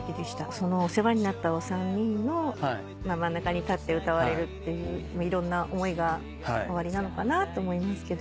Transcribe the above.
そのお世話になったお三人の真ん中に立って歌われるっていういろんな思いがおありなのかなと思いますけど。